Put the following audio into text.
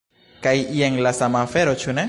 Kaj jen la sama afero, ĉu ne?